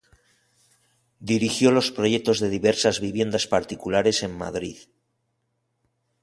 Dirigió los proyectos de diversas viviendas particulares en Madrid.